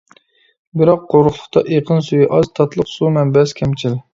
بىراق قۇرۇقلۇقتا ئېقىن سۈيى ئاز، تاتلىق سۇ مەنبەسى كەمچىل.